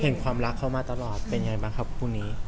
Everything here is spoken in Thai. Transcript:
เห็นความรักเขามาตลอดเป็นยังไงบ้างครับคู่นี้